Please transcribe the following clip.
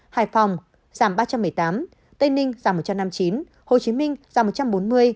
hải phòng giảm ba trăm một mươi tám tây ninh giảm một trăm năm mươi chín hồ chí minh giảm một trăm bốn mươi